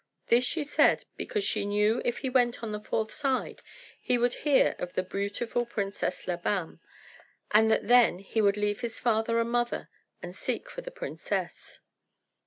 This she said because she knew if he went on the fourth side he would hear of the beautiful Princess Labam, and that then he would leave his father and mother and seek for the princess.